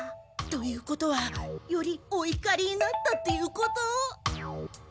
ということはよりおいかりになったっていうこと？